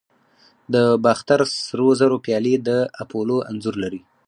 د باختر سرو زرو پیالې د اپولو انځور لري